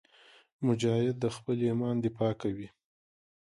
مجاهد د خپل ایمان دفاع کوي.